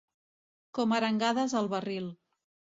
Com arengades al barril.